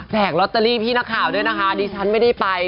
ลอตเตอรี่พี่นักข่าวด้วยนะคะดิฉันไม่ได้ไป